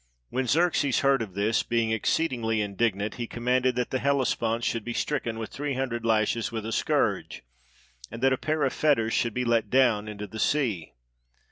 When Xerxes heard of this, being exceedingly indig nant, he commanded that the Hellespont should be stricken with three hundred lashes with a scourge, and that a pair of fetters should be let down into the sea.